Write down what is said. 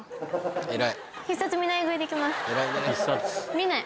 見ない。